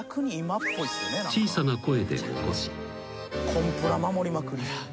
コンプラ守りまくり。